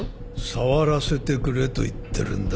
触らせてくれと言ってるんだ。